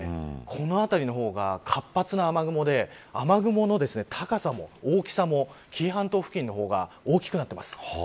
この辺りの方が、活発な雨雲で雨雲の高さも、大きさも紀伊半島付近の方が大きくなってます。